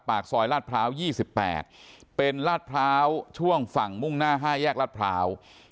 ปากซอยลาดพร้าว๒๘เป็นลาดพร้าวช่วงฝั่งมุ่งหน้า๕แยกรัฐพร้าว